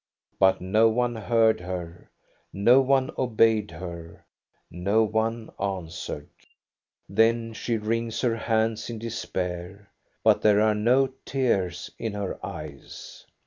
But no one heard her, no one obeyed her, no one answered. THE BALL AT EKEBY 99 Then she wrings her hands in despair, but there are no tears in her eyes.